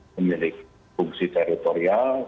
memiliki fungsi teritorial